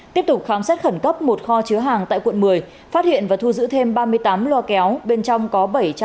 tiếp tục khám xét khẩn cấp một kho chứa hàng tại quận một mươi phát hiện và thu giữ thêm ba mươi tám loa kéo